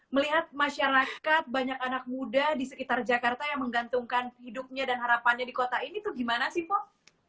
melihat masyarakat banyak anak muda di sekitar jakarta yang menggantungkan hidupnya dan harapannya di kota ini tuh gimana sih pong